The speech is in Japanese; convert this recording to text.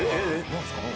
何すか？